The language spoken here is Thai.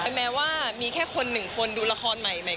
ไม่แม้ว่ามีแค่คนหนึ่งคนที่ได้ดูประโยชน์ใหม่